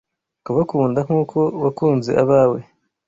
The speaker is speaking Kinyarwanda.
ukabakunda nk’uko wankunze abawe